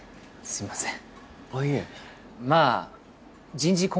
すいません。